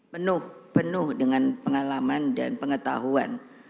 penuh penuh dengan pengalaman dan pengetahuan